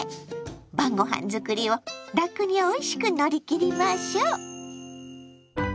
晩ごはん作りをラクにおいしく乗り切りましょう！